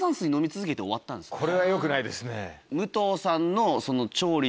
これはよくないですね。